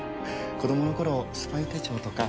子供の頃スパイ手帳とか。